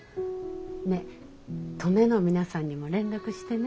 ねえ登米の皆さんにも連絡してね。